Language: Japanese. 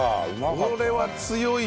これは強いよ。